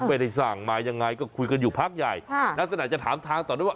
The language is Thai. ไปได้สั่งมายังไงก็คุยกันอยู่พักใหญ่นักศนาจะถามทางตอนนั้นว่า